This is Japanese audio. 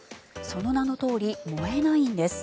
その名のとおり燃えないんです。